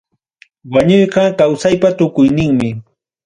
Wañuyqa kawsaypatukuyninmi.